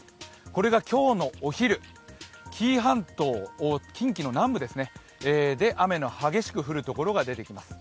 これが今日のお昼、紀伊半島、近畿の南部で雨が激しく降るところが出てきます。